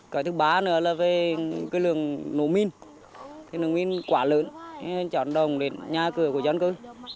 cái thứ ba nữa là về cái lường nổ minh cái lường minh quả lớn chọn đồng đến nhà cửa của dân cư